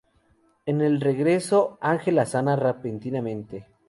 En el regreso, Ángela sana repentinamente.